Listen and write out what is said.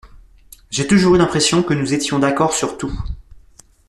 J’ai toujours eu l’impression que nous étions d’accord sur tout.